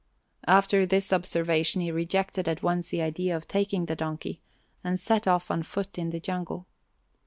After this observation he rejected at once the idea of taking the donkey and set off on foot in the jungle.